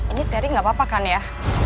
ini teri gak apa apa kan ya